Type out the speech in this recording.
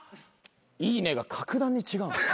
「いいね！」が格段に違う。